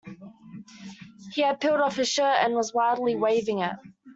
He had peeled off his shirt and was wildly waving it.